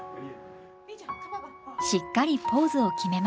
しっかりポーズを決めました。